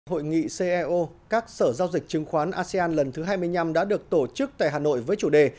hội nghị ceo các sở giao dịch chứng khoán asean lần thứ hai mươi năm đã được tổ chức tại hà nội với chủ đề